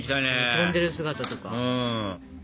飛んでる姿とか。